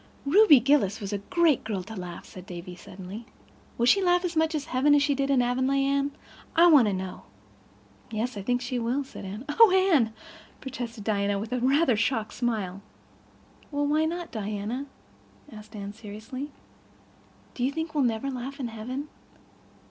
"Ruby Gillis was a great girl to laugh," said Davy suddenly. "Will she laugh as much in heaven as she did in Avonlea, Anne? I want to know." "Yes, I think she will," said Anne. "Oh, Anne," protested Diana, with a rather shocked smile. "Well, why not, Diana?" asked Anne seriously. "Do you think we'll never laugh in heaven?"